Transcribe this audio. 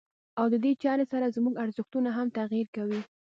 او دې چارې سره زموږ ارزښتونه هم تغيير کوي.